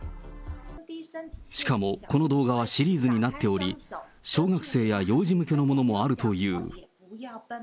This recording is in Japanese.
しかもこの動画はシリーズになっており、小学生や幼児向けのものもあるという。